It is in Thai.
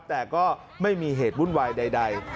แต่ก็ไม่มีเหตุวุ่นวายใด